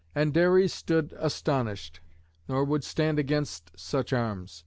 And Dares stood astonied, nor would stand against such arms.